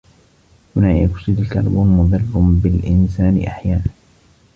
ثنائي أوكسيد الكربون مضر بالإنسان أحيانا.